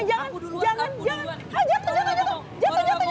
jangan jangan jatuh jatuh jatuh